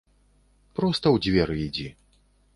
Проста ў дзверы ідзі.